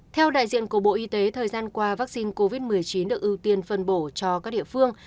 theo đại diện của bộ y tế thời gian qua vaccine covid một mươi chín được ưu tiên phân bổ cho các địa phương